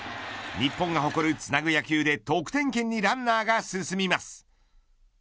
日本が誇るつなぐ野球で得点圏にランナーが進みます。